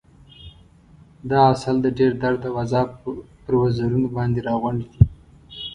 دا عسل د ډېر درد او عذاب پر وزرونو باندې راغونډ دی.